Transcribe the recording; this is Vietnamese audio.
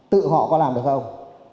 tự họ có làm được không